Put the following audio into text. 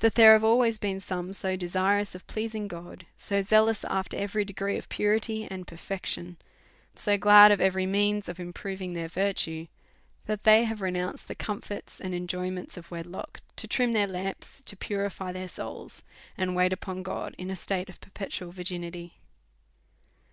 That there have always been some so desirous of pleasing God, so zealous after every degree of purity and perfection, so glad of every means of improving their virtue, that they have renounced the comforts and enjoyments of wedlock to trim their lamps, to pu rify their souls, and wait upon God in a state of perpetual virginity